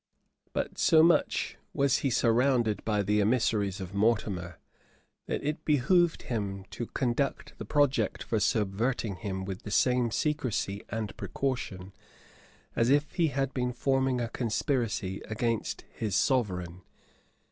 But so much was he surrounded by the emissaries of Mortimer, that it behoved him to conduct the project for subverting him with the same secrecy and precaution as if he had been forming a conspiracy against his sovereign.